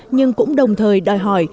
nhưng cũng đồng thời đòi hỏi